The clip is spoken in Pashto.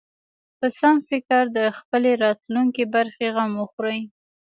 په سم فکر د خپلې راتلونکې برخه غم وخوري.